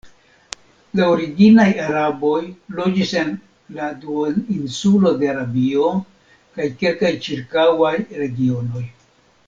La originaj araboj loĝis en la duoninsulo de Arabio kaj kelkaj ĉirkaŭaj regionoj.